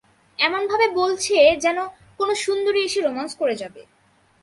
এমনভাবে বলছে যেন, কোনো সুন্দরী এসে রোমান্স করে যাবে।